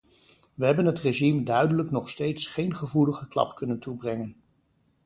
We hebben het regime duidelijk nog steeds geen gevoelige klap kunnen toebrengen.